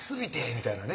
みたいなね